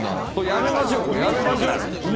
やめましょう。